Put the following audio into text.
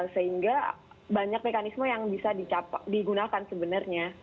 sehingga banyak mekanisme yang bisa digunakan sebenarnya